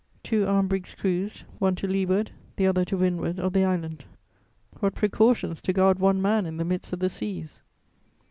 Two armed brigs cruised, one to leeward, the other to wind ward of the island. What precautions to guard one man in the midst of the seas!